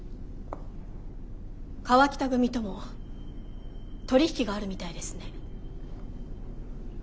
川北組とも取り引きがあるみたいですね。